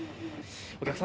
お客さん